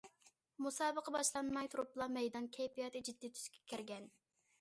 مۇسابىقە باشلانماي تۇرۇپلا مەيدان كەيپىياتى جىددىي تۈسكە كىرگەن.